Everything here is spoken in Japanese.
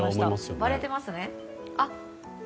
割れてますね。